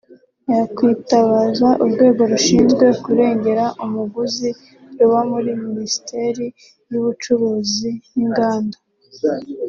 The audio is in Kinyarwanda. yakwitabaza urwego rushinzwe kurengera umuguzi ruba muri Minisiteri y’Ubucuruzi n’Inganda